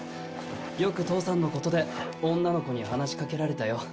よく父さんのことで女の子に話しかけられたよ。